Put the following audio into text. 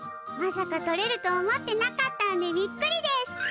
まさかとれると思ってなかったんでびっくりです！